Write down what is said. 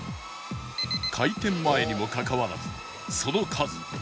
開店前にもかかわらずその数